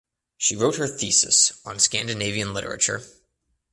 She wrote her thesis on Scandinavian literature.